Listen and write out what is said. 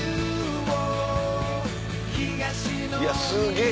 いやすげぇ。